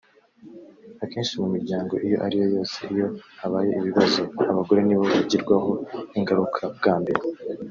Akenshi mu miryango iyo ariyo yose iyo habaye ibibazo abagore nibo bagirwaho ingaruka bwa mbere”